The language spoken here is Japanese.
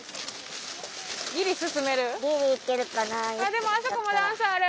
でもあそこも段差ある。